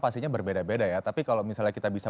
pastinya berbeda beda ya tapi kalau misalnya kita bisa